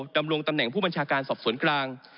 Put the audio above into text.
ดำรงตำแหน่งผู้บัญชาการสอบสวนกลาง